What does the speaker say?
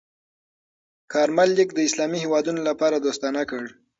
کارمل لیک د اسلامي هېوادونو لپاره دوستانه کړ.